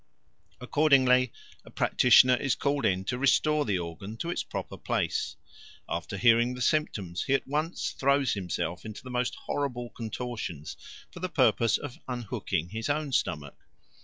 Accordingly, a practitioner is called in to restore the organ to its proper place. After hearing the symptoms he at once throws himself into the most horrible contortions, for the purpose of unhooking his own stomach.